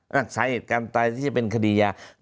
แล้วสาเหตุการตายที่จะเป็นคดียา